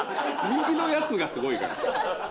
右のやつがすごいから。